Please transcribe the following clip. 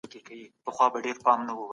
ډاکټر غني د نړيوالو کنفرانسونو مشري وکړه.